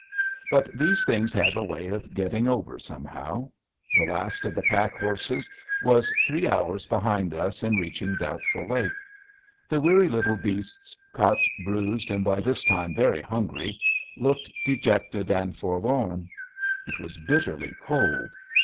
But these things have a way of getting over somehow. The last of the pack horses was three hours behind us in reaching Doubtful Lake. The weary little beasts, cut, bruised, and by this time very hungry, looked dejected and forlorn. It was bitterly cold.